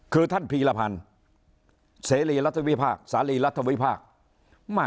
คือท่านพีรพันธ์เสรีรัฐวิพากษาลีรัฐวิพากษ์